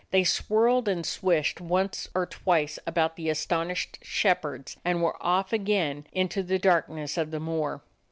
They swirled and swished once or twice about the astonished shepherds, and were off again into the darkness of the moor.